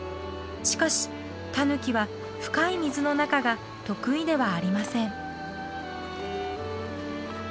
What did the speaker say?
しかしタヌキは深い水の中が得意ではありません。